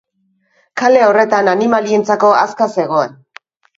Kale horretan animalientzako aska zegoen.